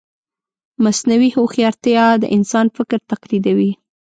مصنوعي هوښیارتیا د انسان فکر تقلیدوي.